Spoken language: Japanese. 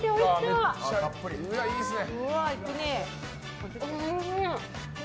いいですね。